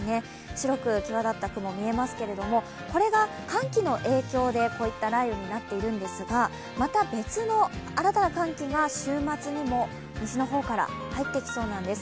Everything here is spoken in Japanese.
白く際立った雲見えますが、これが寒気の影響で、こういった雷雨になっているんですがまた別の新たな寒気が週末にも西の方から入ってきそうなんです。